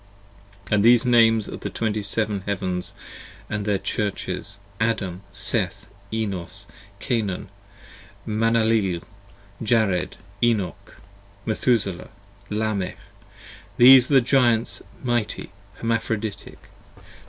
10 And these the names of the Twenty seven Heavens & their Churches: Adam, Seth, Enos, Cainan, Manalaleel, Jared, Enoch, Methuselah, Lamech : these are the Giants mighty, Hermaphroditic.